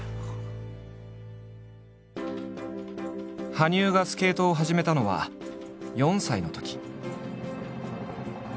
羽生がスケートを始めたのは４歳のとき。